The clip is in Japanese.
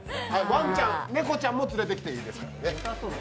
ワンちゃん、猫ちゃんも連れてきてもいいです。